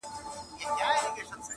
• ځنګل د زمرو څخه خالي نه وي -